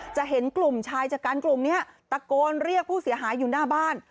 จะเห็นกลุ่มชายชะกันกลุ่มนี้ตะโกนเรียกผู้เสียหายอยู่หน้าบ้าน